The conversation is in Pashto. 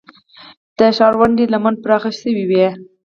د ښارونډۍ لمن پراخه شوې وه